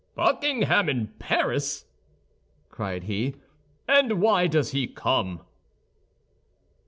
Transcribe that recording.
"Buckingham in Paris!" cried he, "and why does he come?"